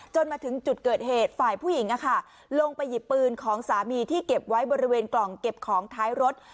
มาถึงจุดเกิดเหตุฝ่ายผู้หญิงลงไปหยิบปืนของสามีที่เก็บไว้บริเวณกล่องเก็บของท้ายรถ